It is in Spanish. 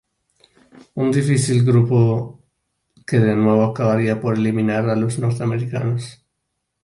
Un difícil grupo que de nuevo acabaría por eliminar a los norteamericanos.